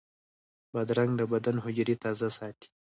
بادرنګ د بدن حجرې تازه ساتي.